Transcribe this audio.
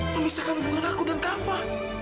memisahkan hubungan aku dan takfa